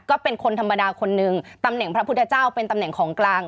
ก็เป็นคนธรรมดาคนนึงตำแหน่งพระพุทธเจ้าเป็นตำแหน่งของกลาง